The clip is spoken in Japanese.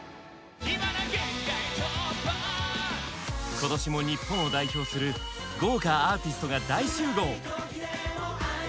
ことしも日本を代表する豪華アーティストが大集合！